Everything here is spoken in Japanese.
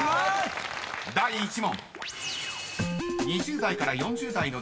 ［第１問］